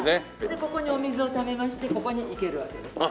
でここにお水をためましてここに生けるわけですね。